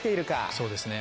そうですね。